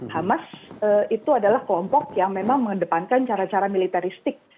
hamas itu adalah kelompok yang memang mengedepankan cara cara militeristik